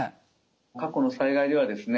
過去の災害ではですね